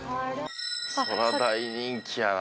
「そりゃ大人気やな！」